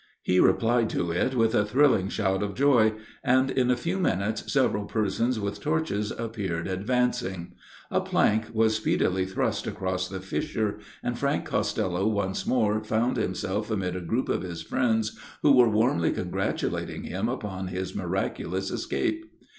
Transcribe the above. He replied to it with a thrilling shout of joy, and, in a few minutes, several persons with torches appeared advancing. A plank was speedily thrust across the fissure, and Frank Costello once more found himself amid a group of his friends, who were warmly congratulating him upon his miraculous escape.